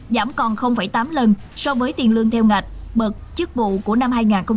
giảm còn tám lần so với tiền lương theo ngạch bật chức vụ của năm hai nghìn hai mươi